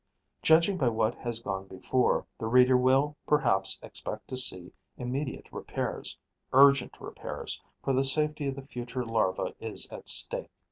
Judging by what has gone before, the reader will perhaps expect to see immediate repairs, urgent repairs, for the safety of the future larva is at stake.